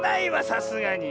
さすがに。